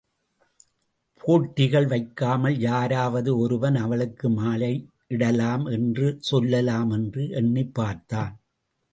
போட்டிகள் வைக்காமல் யாராவது ஒருவன் அவளுக்கு மாலையிடலாம் என்று சொல்லலாம் என்று எண்ணிப்பார்த்தான்.